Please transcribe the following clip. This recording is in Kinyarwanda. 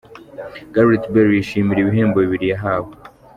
Gareth Bale yishimira ibihembo bibiri yahawe.